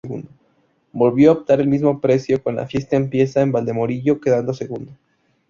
Volvió a optar al mismo premio con "La fiesta empieza en Valdemorillo", quedando segundo.